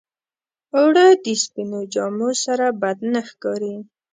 اوړه د سپينو جامو سره بد نه ښکارېږي